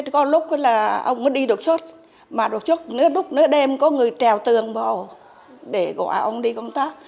có lúc là ông mới đi độc xuất mà độc xuất lúc đêm có người trèo tường vào để gọi ông đi công tác